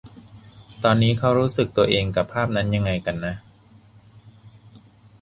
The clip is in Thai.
ตอนนี้เค้ารู้สึกตัวเองกับภาพนั้นยังไงกันนะ